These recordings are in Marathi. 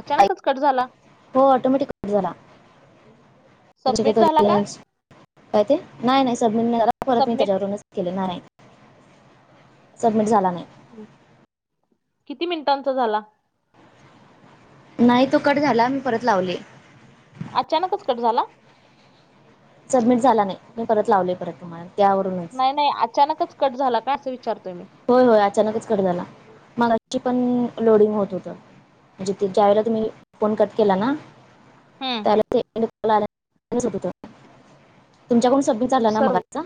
अचानकच कट झाला. हो ऑटोमॅटिक कट झाला. त्यांचे सबमिट झाला का काय ते. [unintelligible] नाही नाही सबमिट नाही झाला परत मी सबमिट त्याच्या वरूनच केले ना नाही सबमिट झाला नाही. किती मिनिटांचा झाला? नाही तो कट झाला मी परत लावले. अचानकच कट झाला? सबमिट झाला नाही. मी परत लावलेय परत तुम्हाला. त्यावरूनच नाही नाही अचानकच कट झाला काय असं विचारतोय मी? होय होय अचानकच कट झाला मघाशी पण लोडिंग होत होत. म्हणजे ज्या वेळेला तुम्ही फोन कट केला ना हा [inaudible] तुमच्याकडनं सबमिट झालं ना सर्व मगासचं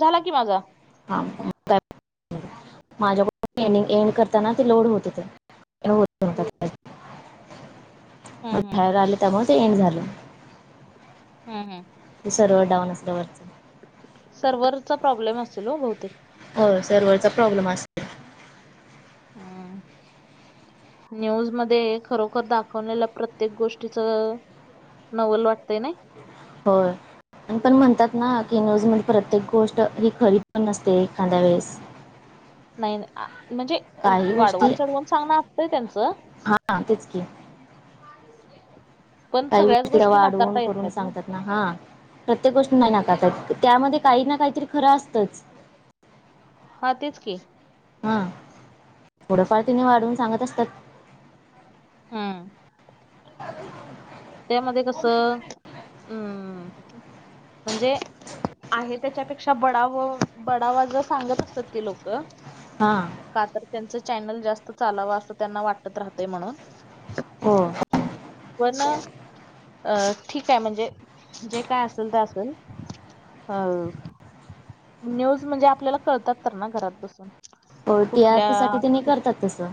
झाला की माझा हा माझ्याकडून एंड करताना ते लोड होत होतं ते होतं नव्हतं हम्म हम्म बाहेर आले त्यामुळे ते एंड झालं हम हम ते सर्वर डाऊन असल्या वरचं सर्व्हरचा प्रॉब्लेम असेल हो बहुतेक होय सर्व्हरचा प्रॉब्लेम असंल [inaudible] न्यूज मध्ये खरोखर दाखवलेलं प्रत्येक गोष्टीचं नवल वाटतंय नाही. होय पण म्हणतात ना की न्यूज मध्ये प्रत्येक गोष्ट ही खरी पण नसते एखांद्या वेळेस [inaudible] नाही म्हणजे काही गोष्टी वाढवून चढवून सांगणं असतंय त्यांचं हा तेच की पण काही सगळ्याच गोष्टी वाढवून नाकारता येत करून नाहीत ना सांगतात हा प्रत्येक गोष्ट नाही नाकारतात त्यामध्ये काही ना काहीतरी खरं असतंच हा तेच की हा थोढंफार तेनी वाढवून सांगत असतात हम्म त्यामध्ये कसं हम् म्हणजे आहे त्याच्यापेक्षा बडाव बडावा जरा सांगत असतात ती लोकं हा का तर त्यांचं चॅनल जास्त चालावं असं त्यांना वाटत राहते म्हणून हो पण अ ठीक आहे म्हणजे जे काय असेल ते असेल अ न्यूज म्हणजे आपल्याला कळतात तर ना घरात बसून हो कुठल्या टीआरपी साठी तेनी करतात तसं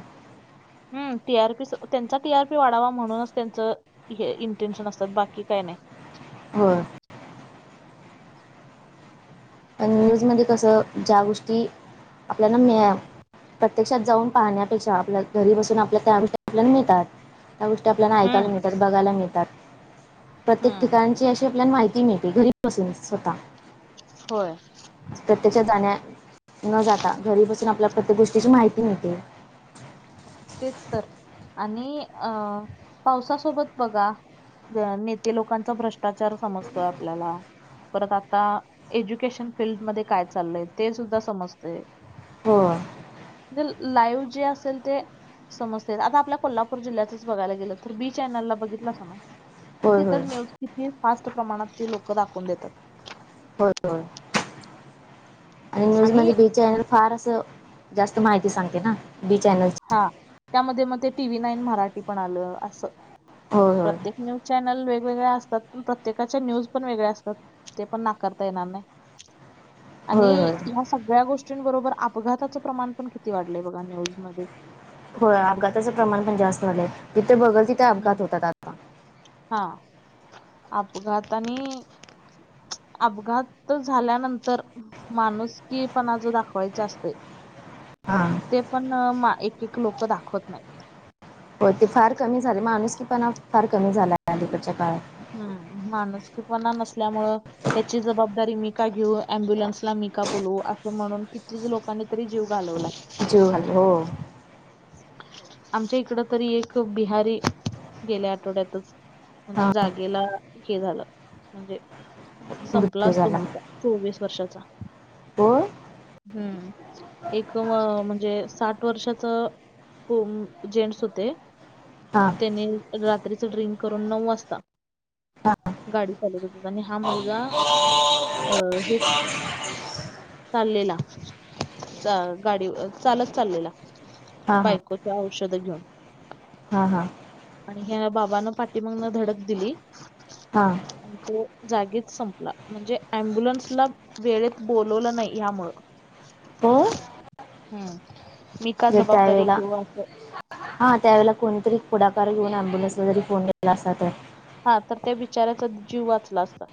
हम्म टी आर पी त्यांचा टी आर पी वाढावा म्हणूनच त्यांचं हे इंटेन्शन असतात बाकी काय नाही होय न्यूजमध्ये कसं ज्या गोष्टी आपल्याला मिळा प्रत्यक्षात जाऊन पाहण्यापेक्षा आपल्या घरी बसून आपल्या त्या अनुसार आपल्याला मिळतात त्या गोष्टी आपल्याला ऐकायला हम्म मिळतात, बघायला मिळतात प्रत्येक हम्म ठिकाणची अशी आपल्याला माहिती मिळते. घरी बसून स्वतः होय प्रत्यक्षात जाण्या न जाता घरी बसून आपल्या प्रत्येक गोष्टीची माहिती मिळते तेच तर आणि अं पावसासोबत बघा नेते लोकांचा भ्रष्टाचार समजतोय आपल्याला परत आता एज्युकेशन फील्ड मध्ये काय चाललय ते सुद्धा समजतय हो लाईव्ह जे असेल ते समस्या आहेत. आता आपल्या कोल्हापूर जिल्ह्याचंच बघायला गेलं तर बी चॅनल ला बघितलास ना होय किती होय तर न्यूज किती फास्ट प्रमाणात ते लोक दाखवून देतात हो हो न्यूज आणि म्हणजे बी चॅनेल फार असं जास्त माहिती सांगतय ना बी चॅनेल त्या मग ते टी व्ही नाईन मराठी पण आलं अस होय होय प्रत्येक न्य चॅनल वेगवेगळ्या असतात पण प्रत्येकाच्या न्यूज पण वेगळ्या असतात. ते पण नाकारता येणार नाही. ह. आणि या सगळ्या गोष्टींबरोबर अपघाताचं प्रमाण पण किती वाढलंय बघा न्यूजमध्येध्ये हो अपघाताचं प्रमाण पण जास्त झालंय जिथे बघल तिथे अपघात हम्म. होतात. आता हा अपघातानी अपघात झाल्यानंतर माणूस की पणज दाखवायच असत. हा ते पण एक एक लोक दाखवत नाही. हो ते फार कमी झाले माणूसी पण फार कमी झाला अलीकडच्या काळात हम्म मानस किपणा नसल्यामुळं. ह्याची जबाबदारी मी का घेऊ अम्ब्युलन्सला मी का बोलवू असं म्हणून कितीच लोकांनी री जीव घालवला. ज हॅलो. आमच्या इकड तरी एक बिहारी गेल्या आठवड्यातच. म्हणजे हा जागेला हे झालं म्हणजे संपला मृत्यू असतो झाला मुलगा चोवीस वर्षाचा होण. हम्म एक म्हणजे साठ वर्षाच. जेंट्स होते. हा. त्याने रात्रीच ड्रिंक करून नऊ वाजता हां गाडी चालवतच आणि हा मुलगा अ हे. चाललेला गाडी चालत चाललेला. हां हां क औषध घेऊन. हां हां आणि ह्या बाबाान पाठीमागन धडक दिली. हा. आणि तो जागीच संपला म्हणजे अम्ब्युलन्सला वेळेत बोलवलं नाही यामुळं. हो. हम्म मी का जबाबदारी घेऊ असं. हा त्यावेळे कोणतरी पुढाकार घेऊन अॅम्बुलन्सला जरी फोन केला असाात. हा तर त्या बिचाऱ्याचा जीव वाचला असला.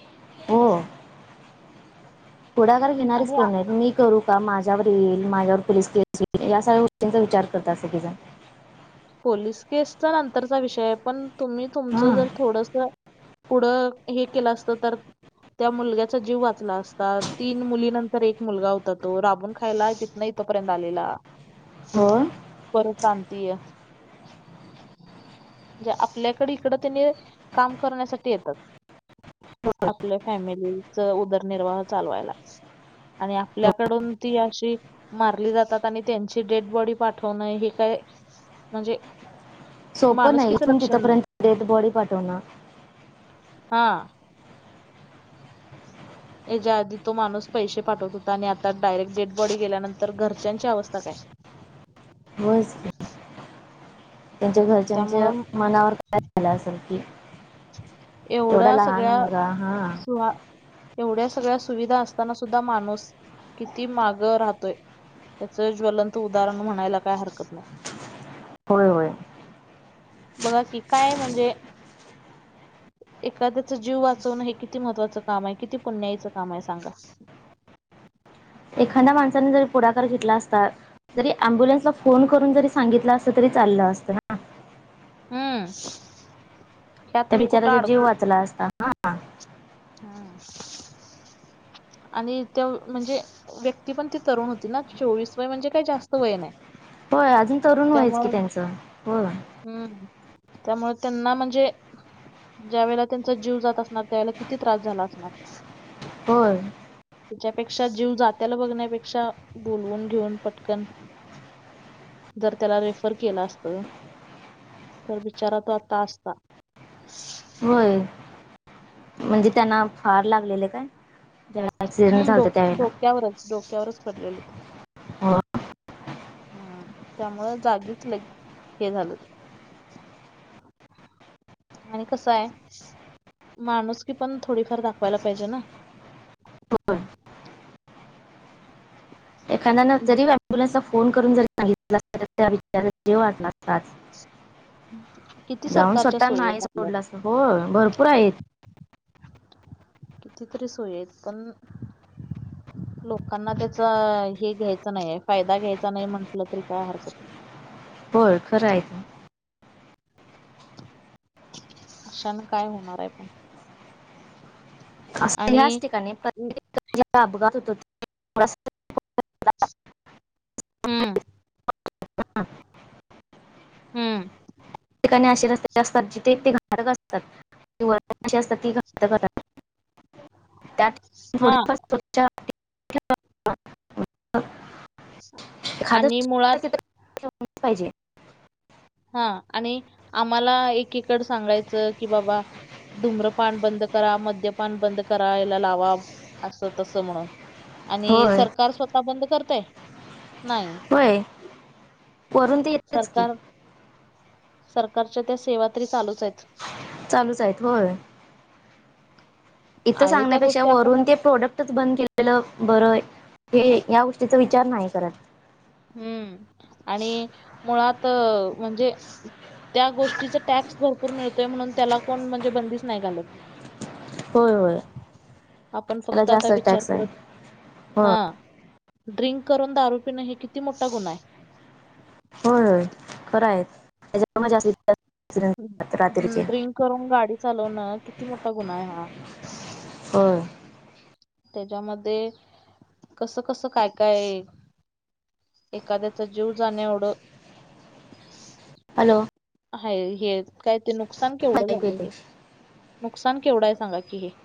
हो. पुडाकार घेणारच आणि कोण नाही मी करू. का माझ्यावर येईल माझ्यावर पोलीस केस येईल या सगळ्या गोष्टींचा विचार करत असं की जण पोलीस केसचा नंतरचा विषय आहे पण तुम्ही तुमचं हां जर थोडस. पुढं हे केलं असत तर त्या मुलग्याचा जीव वाचला असता तीन मुली नंतर एक मुलगा होता तो राबून खायला तिथ नाही. तोपर्यंत आलेला. [unintelligible] पर शांती आहे. [unintelligible] आपल्याकडे इकड त्यांनी काम करण्यासाठी येतात. आपल्या फॅमिलीचा उदरनिर्वाह चालवायला. आणि आपल्याकडून ती अशी मारली जातात आणि त्यांची डेड बॉडी पाठवणं हे काय? म्हणजे सोपं नाही माणुसकीचं इथून लक्षण नाही तिथंपर्यंत डेड बॉडी पाठवणं. हा याच्या आधी तो माणूस पैसे पाठवत होता आणि आता डायरेक्ट डेड बॉडी गेल्यानंतर घरच्यांची अवस्था काय? होयच कि त्यांच्या घरच्यांच्या त्यामुळं मनावर काय झालं असेल की एवढा लहान सगळ्या मुलगा हा सुहा एवढ्या सगळ्या सुविधा असताना सुद्धा माणूस किती माग राहतोय त्याचं ज्वलंत उदाहरण म्हणायला काय हरकत नाही. होय होय बघा की काय म्हणजे? एखाद्याच जीव वाचवणं हे किती महत्त्वाचं काम आहे किती पुण्याईच काम आहे सांगा एखाद्या माणसाने जरी पुढाकार घेतला असतात. जरी अम्बुलन्सला फोन करून जरी सांगितलं अस तरी चाललं असतं. हा हम्म यात मी कुठं अडकू अ [unintelligible] स असता ह हम्म आणि ते म्हणजे व्यक्ती पण ती तरुण होती ना चोवीस वय म्हणजे काही जास्त वय नाही. होय अजून तरुण व्हायचं की त्यामुळं त्यांचं हो हम्म त्यामुळे त्यांना म्हणजे ज्या वेळेला त्यांचा जीव जात असणार त्यावेळेला किती त्रास झाला असणार होय त्याच्यापेक्षा जीव जात्याला बघण्यापेक्षा बोलवून घेऊन पटकन जर त्याला रेफर केला असतं तर बिचार तो आता असता होय म्हणजे त्यांना फार लागलेले काय? ऍक्सिडेंट हम्म झाला होता डोक त्यावेळेला डोक्यावरच डोक्यावरच पडलेले होत हम्म त्यामुळे जागीच लगी हे झालं. आणि कसं आहे? माणूस की पण थोडीफार दाखवायला पाहिजे ना होय एखाद्या जरी अम्बुलन्सला फोन करून जरी सांगितलं असतात त्या विचार जीव वाचला असता. किती जाऊन सरकारच्या स्वतः सोयी नाही आहेत आपल्या सोडला हो भरपूर आहेत. कितीतरी सोय आहेत पण लोकांना त्याचा हे घ्यायच नाही फायदा घ्यायचा नाही म्हटलं तरी काय हरकत नाही. हो खरं आहेच. अशान काय होणार आहे पण असं आणि ह्याच ठिकाणी प्रत्येक अपघात होत. हम्म हम्म. ठिकाणी अशी रस्ते असतं जिथे ते असतात असतात ती घ त्यात थोडी हा फ स्व [unintelligible] खा आणि मुळात पाहिजे [inaudible] हा आणि आम्हाला एकीकड सांगायचं की बाबा धुम्रपन बंद करा मद्यपान बंद करा याला लावा असं तसं म्हणून आणि होय सरकार स्वतः बंद करतय. नाही होय वरून ते येतेच की सरकार सरकारच्या त्या सेवा तरी चालूच आहेत. चालूच आहेत होय इथं आहे त्या सांगण्यापेक्षा गोष्टी आपण वरून ते प्रोडक्ट बंद केलेलं बरं हे या गोष्टीचा विचार नाही करत. हम्म आणि मुळात म्हणजे त्या गोष्टीचा टॅक्स भरपूर मिळतोय, म्हणून त्याला कोण म्हणजे बंदीच नाही घालत. होय होय आपण त्याला फक्त आता जास्त विचार टॅक्स आहे करत हो हा, ड्रिंक करून दारू पिणं हे किती मोठा गुन्हा आहे. होय खरं हाय, [unintelligible] रात्रीची हम्म ड्रिंक करून गाडी चालवणं, किती मोठा गुन्हा आहे हा. होय त्याच्यामध्ये, कसं कसं काय काय एखाद्याचा जीव जाण्याएवढं हॅलो! हाय हे, काय ते नुकसान हा केवढं ऐकू येते झालं हे? नुकसान केवढं आहे सांगा की हे.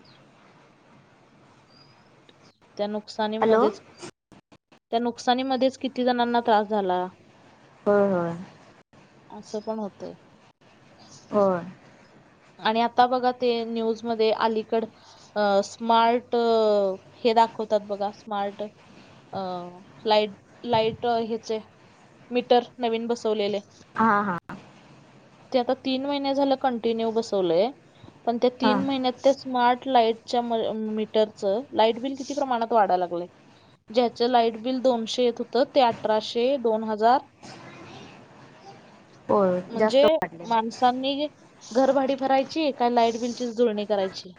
त्या हॅलो नुकसानीमध्येच, त्या नुकसानीमध्येच किती जणांना त्रास झाला. होय होय असं पण होतंय. होय आणि आता बघा ते न्यूजमध्ये अलीकड अ स्मार्ट, हे दाखवतात बघा स्मार्ट अ लाइट लाईट ह्याचे, मीटर नवीन बसवलेले. हा हा ते आता तीन महिने झाले कंटिन्यू बसवलंय, पण त्या तीन हां महिन्यात त्या स्मार्ट लाइटच्या म मीटरचं लाईट बिल किती प्रमाणात वाढाय लागलंय? ज्याचं लाईट बिल दोनशे येत होतं ते अठराशे दोन हजार होय म्हणजे, जास्त वाढले माणसांनी घरभाडी भरायची, का लाईट बिलचीच जुळणी करायची?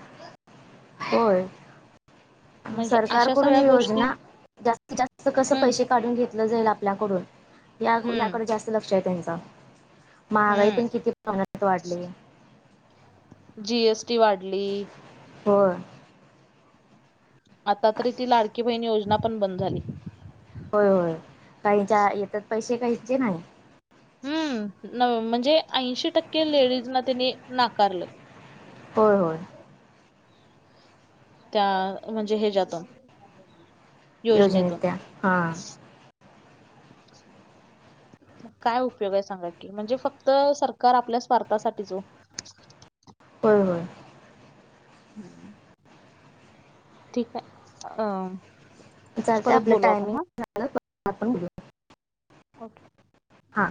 होय म्हणजे अशा सरकारकडून सगळ्या गोष्टी योजना जास्तीत जास्त कसे हम्म पैसे काढून घेतलं जाईल आपल्याकडून, या हम्म याकडं जास्त लक्ष हाय त्यांचं. महागाई पण हम्म किती प्रमाणात वाढली. जी एस टी वाढली. होय आता तरी ती लाडकी बहिणी योजना पण बंद झाली. होय होय, काहीच्या येतात पैसे काहीचे नाही. हम्म, न म्हणजे ऐंशी टक्के लेडीजना त्यांनी नाकारलं. होय होय त्या म्हणजे हेच्यातून, योजनेत योजनेतून. त्या हा काय उपयोग आहे सांगा की? म्हणजे फक्त सरकार आपल्या स्वार्थासाठीच ओ. होय होय हम्म, ठीक आहे. अ चालतंय, परत आपलं बोलू आपण टायमिंग हा झालं आपण [unintelligible] ओके हा